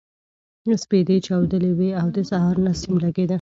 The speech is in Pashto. سپېدې چاودلې وې او د سهار نسیم لګېده.